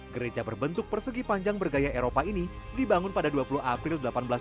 gereja berbentuk persegi panjang bergaya eropa ini dibangun pada dua puluh april seribu delapan ratus enam puluh